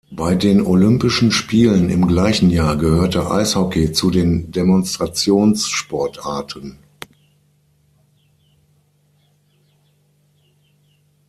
Bei den Olympischen Spielen im gleichen Jahr gehörte Eishockey zu den Demonstrationssportarten.